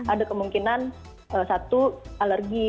ada kemungkinan satu alergi